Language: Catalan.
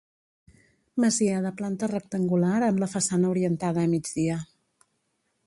Masia de planta rectangular amb la façana orientada a migdia.